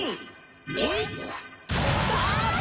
「１！スタート！」。